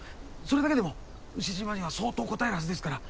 それだけでも丑嶋には相当こたえるはずですから。